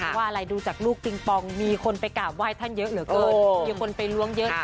เพราะว่าอะไรดูจากลูกปิงปองมีคนไปกราบไหว้ท่านเยอะเหลือเกินมีคนไปล้วงเยอะ